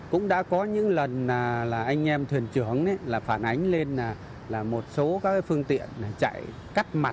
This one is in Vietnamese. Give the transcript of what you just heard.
cũng đã có những lần là anh em thuyền trưởng là phản ánh lên là một số các phương tiện chạy cắt mặt